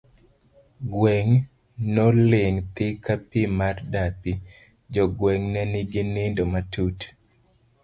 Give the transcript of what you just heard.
Gweng' noling' thi ka pi mar dapi, jogweng' ne nigi nindo matut.